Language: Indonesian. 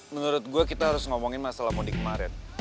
menurut gue kita harus ngomongin masalah mudik kemarin